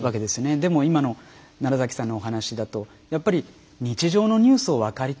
でも今の奈良さんのお話だとやっぱり日常のニュースを分かりたい。